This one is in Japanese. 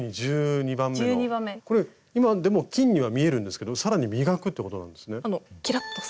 これ今でも金には見えるんですけど更に磨くってことなんですね？